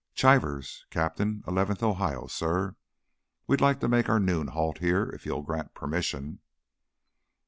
"Chivers, Captain, Eleventh Ohio, sir. We'd like to make our noon halt here if you'll grant permission."